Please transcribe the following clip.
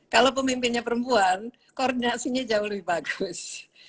kalau pemimpinnya perempuan koordinasinya jauh lebih bagus